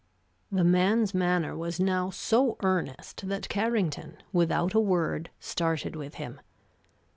The man's manner was now so earnest that Carrington, without a word, started with him.